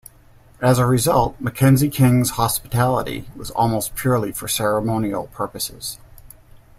As a result, Mackenzie King's hospitality was almost purely for ceremonial purposes.